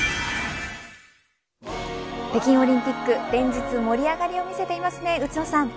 北京オリンピック、連日盛り上がりを見せていますね